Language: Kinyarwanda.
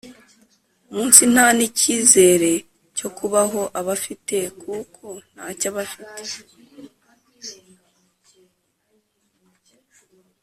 munsi nta n icyizere cyo kubaho aba afite Kuko ntacyo aba afite